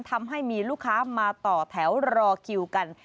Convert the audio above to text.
ทำให้มีลูกค้ามาต่อแถวรอคิวกัน